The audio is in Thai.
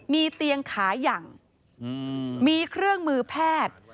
มีเตียงขายังมีเครื่องมือแพทย์